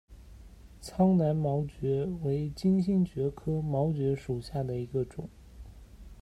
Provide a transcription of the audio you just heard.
苍南毛蕨为金星蕨科毛蕨属下的一个种。